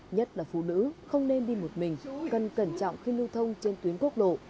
nhất là phụ nữ không nên đi một mình cần cẩn trọng khi lưu thông trên tuyến quốc lộ